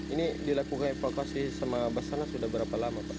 ini dilakukan evakuasi sama basarnas sudah berapa lama pak